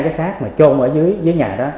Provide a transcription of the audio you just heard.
hai cái xác mà trôn ở dưới nhà đó